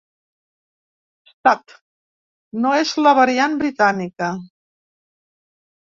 Stat: No és la “variant britànica”.